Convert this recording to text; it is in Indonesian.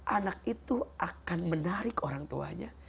anak itu akan menarik orang tuanya